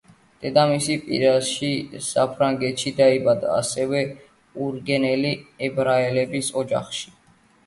დედამისი პარიზში, საფრანგეთში დაიბადა, ასევე უნგრელი ებრაელების ოჯახში.